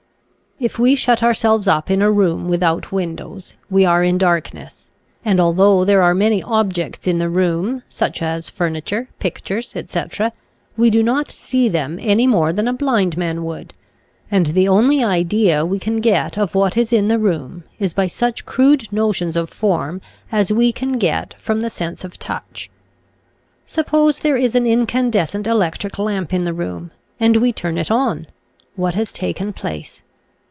If we shut ourselves up in a room without windows, we are in darkness, and although there are many objects in the room, such as furniture, pictures, etc., we do not see them any more than a blind man would, and the only idea we can get of what is in the room is by such crude notions of form as we can get from the sense of touch. Suppose there is an incandes cent electric lamp in the room and we turn it on, what has taken place?